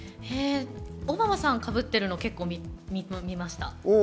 オバマさんかぶってるの結構見ました。